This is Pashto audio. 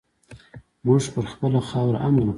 مونږ پر خپله خاوره امن غواړو